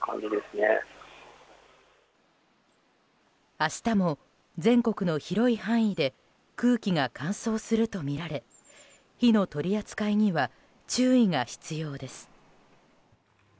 明日も全国の広い範囲で空気が乾燥するとみられ火の取り扱いには注意が必要です。